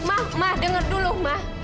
ma ma denger dulu ma